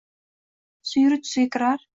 suyri tusiga kirar